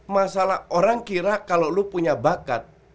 masalah orang kira kalo lu punya bakat